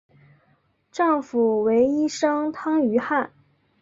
丈夫为医生汤于翰。